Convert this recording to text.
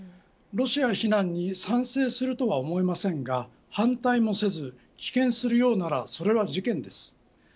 ロシア非難に賛成するとは思えませんが反対もせず棄権するようならそれは事件です。